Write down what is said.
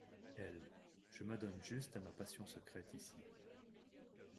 Elle : Je m’adonne juste à ma passion secrète ici.